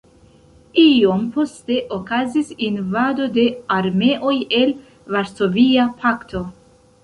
Iom poste okazis invado de armeoj el Varsovia Pakto.